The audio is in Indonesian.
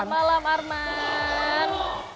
selamat malam arman